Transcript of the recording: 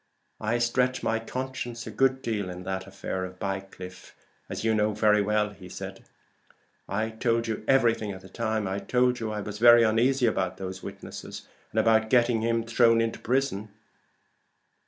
"I stretched my conscience a good deal in that affair of Bycliffe, as you know perfectly well. I told you everything at the time. I told you I was very uneasy about those witnesses, and about getting him thrown into prison.